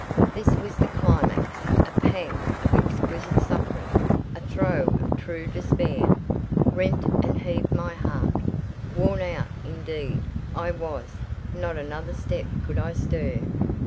This was the climax. A pang of exquisite suffering—a throe of true despair—rent and heaved my heart. Worn out, indeed, I was; not another step could I stir.